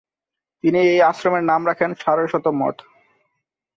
তিনিই এই আশ্রমের নাম রাখেন "সারস্বত মঠ"।